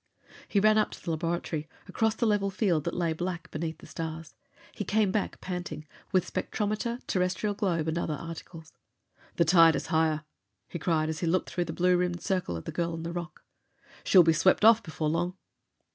He ran up to the laboratory, across the level field that lay black beneath the stars. He came back, panting, with spectrometer, terrestrial globe, and other articles. "The tide is higher!" he cried as he looked through the blue rimmed circle at the girl on the rock. "She'll be swept off before long!"